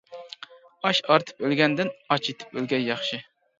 ئاش ئارتىپ ئۆلگەندىن، ئاچ يېتىپ ئۆلگەن ياخشى.